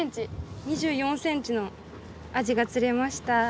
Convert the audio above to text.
２４ｃｍのアジが釣れました。